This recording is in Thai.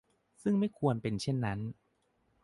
ซึ่งไม่ควรเป็นเช่นนั้น